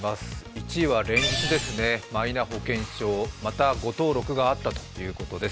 １位は連日ですね、マイナ保険証、また誤登録があったということです。